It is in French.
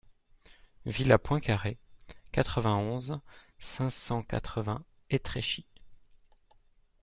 Villa Poincaré, quatre-vingt-onze, cinq cent quatre-vingts Étréchy